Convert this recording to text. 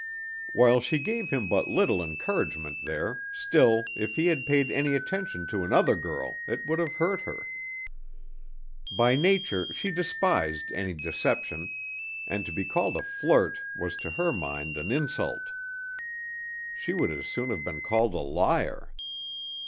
While she gave him but little encouragement there, still if he had paid any attention to another girl it would have hurt her. By nature she despised any deception, and to be called a flirt was to her mind an insult. She would as soon have been called a liar.